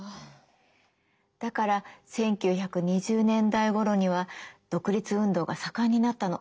だから１９２０年代ごろには独立運動が盛んになったの。